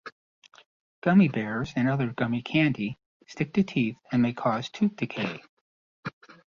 Gummy bears, and other gummi candy, stick to teeth and may cause tooth decay.